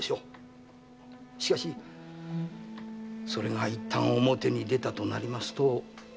しかしそれが一旦表に出たとなりますと。